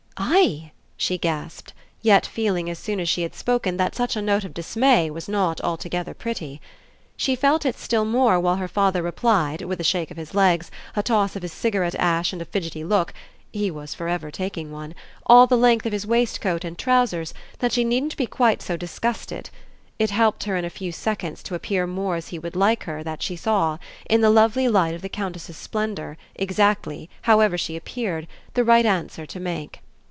"I?" she gasped, yet feeling as soon as she had spoken that such a note of dismay was not altogether pretty. She felt it still more while her father replied, with a shake of his legs, a toss of his cigarette ash and a fidgety look he was for ever taking one all the length of his waistcoat and trousers, that she needn't be quite so disgusted. It helped her in a few seconds to appear more as he would like her that she saw, in the lovely light of the Countess's splendour, exactly, however she appeared, the right answer to make.